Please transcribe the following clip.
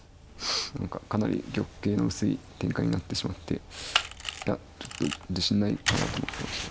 何かかなり玉形の薄い展開になってしまっていやちょっと自信ないかなと思ってました。